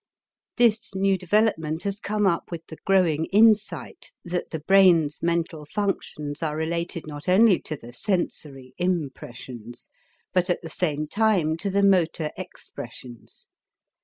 This new development has come up with the growing insight that the brain's mental functions are related not only to the sensory impressions, but at the same time to the motor expressions.